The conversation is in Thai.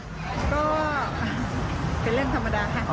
ก็ค่ะเป็นเรื่องธรรมดาค่ะ